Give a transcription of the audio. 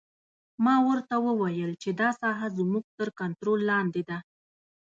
ما ورته وویل چې دا ساحه زموږ تر کنترول لاندې ده